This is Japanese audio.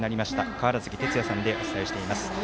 川原崎哲也さんでお伝えしています。